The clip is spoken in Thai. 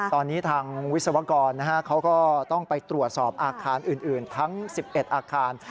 ตอนนี้ทางวิศวกรเขาก็ต้องไปตรวจสอบอาคารอื่นทั้ง๑๑อาคาร